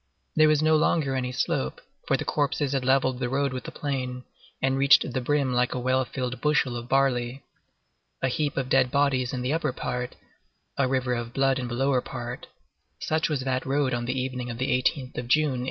There was no longer any slope, for the corpses had levelled the road with the plain, and reached the brim like a well filled bushel of barley. A heap of dead bodies in the upper part, a river of blood in the lower part—such was that road on the evening of the 18th of June, 1815.